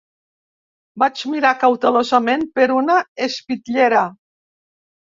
Vaig mirar cautelosament per una espitllera